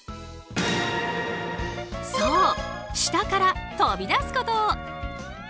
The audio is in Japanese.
そう、下から飛び出すこと。